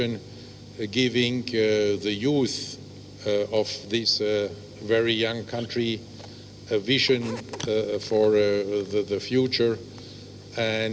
untuk memberikan kekayaan kemahiran yang sangat muda untuk masa depan